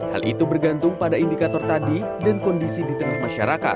hal itu bergantung pada indikator tadi dan kondisi di tengah masyarakat